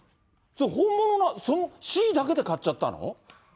それ本物、Ｃだけで買っちゃったの？